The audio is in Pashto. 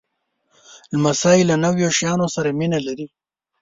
لمسی له نویو شیانو سره مینه لري.